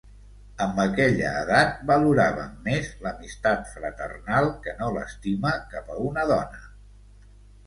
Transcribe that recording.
Amb aquella edat valoràvem més l'amistat fraternal que no l'estima cap a una dona.